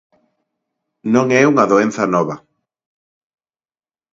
Non é unha doenza nova.